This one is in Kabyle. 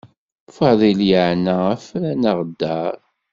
Fadil yeɛna afran aɣeddaṛ.